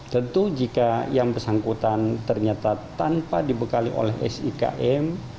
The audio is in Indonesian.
tentu jika yang bersangkutan ternyata tanpa dibekali oleh sikm